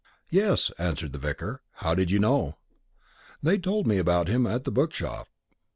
"Yes," answered the vicar. "How did you know?" "They told me about him at the bookshop."